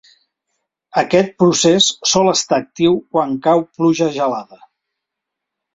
Aquest procés sol estar actiu quan cau pluja gelada.